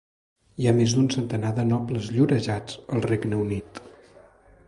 Hi ha més d'un centenar de nobles llorejats al Regne Unit.